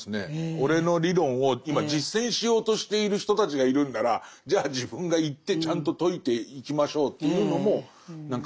俺の理論を今実践しようとしている人たちがいるんならじゃあ自分が行ってちゃんと説いていきましょうというのも何か。